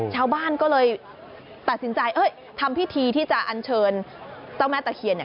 ชาวบ้านก็เลยตัดสินใจเอ้ยทำพิธีที่จะอันเชิญเจ้าแม่ตะเคียนเนี่ย